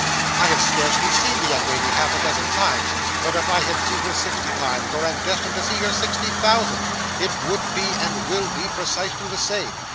I have scarcely seen the young lady half a dozen times, but if I had seen her sixty times, or am destined to see her sixty thousand, it would be, and will be, precisely the same.